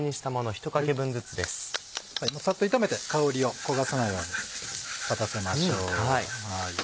サッと炒めて香りを焦がさないように立たせましょう。